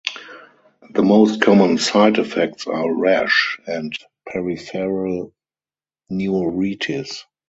The most common side effects are rash and peripheral neuritis.